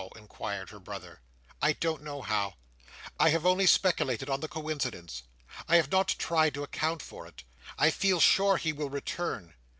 inquired her brother. "I don't know how. I have only speculated on the coincidence; I have not tried to account for it. I feel sure he will return.